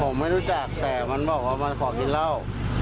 ผมไม่รู้จักแต่มันบอกว่ามันขอกินเหล้า